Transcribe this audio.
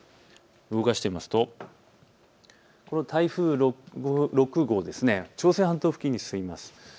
動かしてみますとこの台風６号、朝鮮半島付近に進みます。